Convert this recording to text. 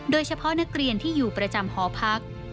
โดยเฉพาะนักเรียนที่อยู่ประจำหอพัก